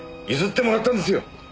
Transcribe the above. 譲ってもらったんですよ！